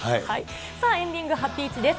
さあ、エンディング、ハピイチです。